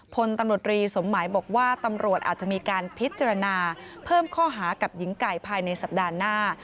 พลตำรวจรีสมหมายบอกว่าตำรวจอาจจะมีการพิจารณาเพิ่มข้อหากับหญิงไก่ภายในสัปดาห์หน้า